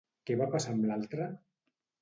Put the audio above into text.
Què va passar amb l'altre?